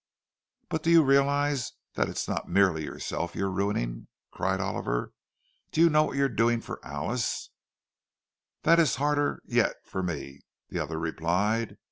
"But do you realize that it's not merely yourself you're ruining?" cried Oliver. "Do you know what you're doing to Alice?" "That is harder yet for me," the other replied.